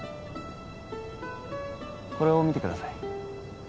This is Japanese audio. これを見てください